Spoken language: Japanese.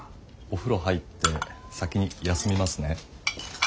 お風呂入って先にやすみますね。